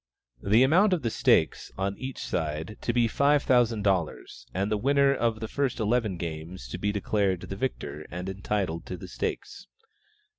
The amount of the stakes, on each side, to be five thousand dollars, and the winner of the first eleven games to be declared the victor, and entitled to the stakes.